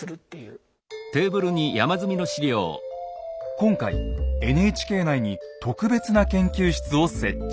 今回ＮＨＫ内に特別な研究室を設置。